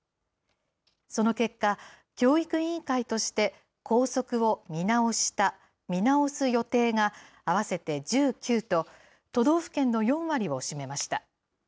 その結果、教育委員会として校則を見直した、見直す予定が合わせて１９と、都道府県の４割を占めました。